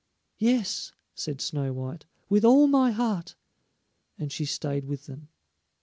"Yes," said Snow white, "with all my heart," and she stayed with them.